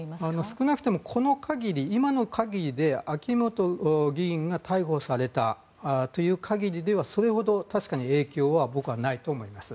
少なくとも今の限りで秋本議員が逮捕されたという限りではそれほど確かに影響は僕はないと思います。